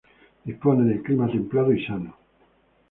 Dispone de clima templado y sano.